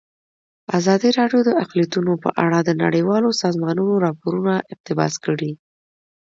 ازادي راډیو د اقلیتونه په اړه د نړیوالو سازمانونو راپورونه اقتباس کړي.